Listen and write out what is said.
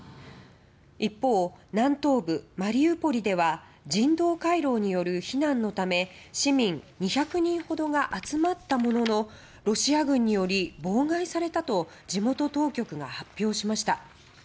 一方、南東部マリウポリでは人道回廊による避難のため市民２００人ほどが集まったもののロシア軍により妨害されたと地元当局が発表しました。